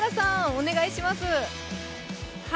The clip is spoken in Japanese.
お願いします。